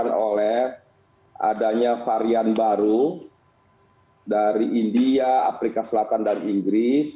yang oleh adanya varian baru dari india afrika selatan dan inggris